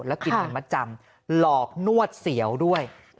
แล้วกินเงินมัดจำหลอกนวดเสียวด้วย